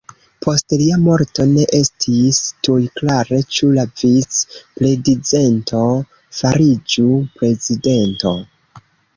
Post lia morto ne estis tuj klare ĉu la vic-predizento fariĝu prezidento.